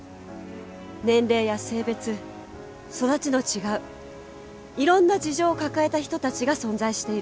年齢や性別育ちの違ういろんな事情を抱えた人たちが存在している。